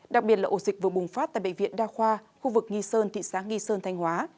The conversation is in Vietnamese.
đặc biệt là ổ dịch vừa bùng phát tại bệnh viện đa khoa khu vực nghi sơn thị xã nghi sơn thanh hóa